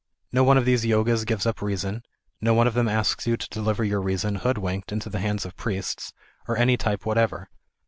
No one of these Yogas gives up reason, no1 one of them asks you to deliver your reason, hoodwinked, into the hands of priests, of any type whatever.